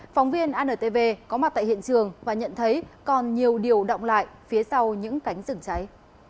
phóng viên antv có mặt tại hiện trường và nhận thấy còn nhiều điều động lại phía sau những cánh rừng cháy